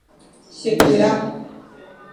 Chekyra.